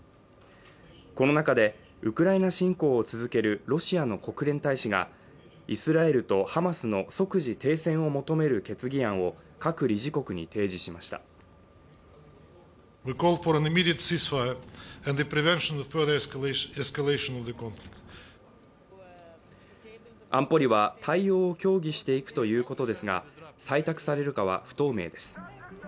この中でウクライナ侵攻を続けるロシアの国連大使がイスラエルとハマスの即時停戦を求める決議案を各理事国に提示しました安保理は対応を協議していくということですが採択されるかは不透明です